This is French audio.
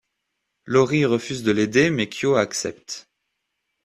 Iori refuse de l'aider mais Kyo accepte.